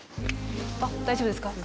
あっ大丈夫ですか。